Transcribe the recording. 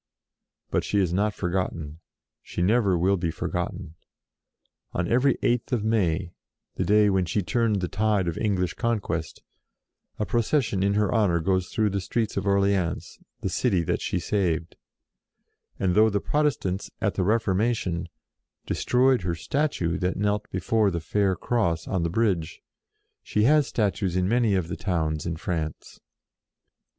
But she is not forgotten ; she never will be forgotten. On every Eighth of May, the day when she turned the tide 114 JOAN OF ARC of English conquest, a procession in her honour goes through the streets of Orleans, the city that she saved ; and though the Protestants, at the Reformation, destroyed her statue that knelt before the Fair Cross on the bridge, she has statues in many of the towns in France.